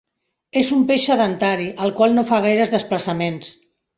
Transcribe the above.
És un peix sedentari, el qual no fa gaires desplaçaments.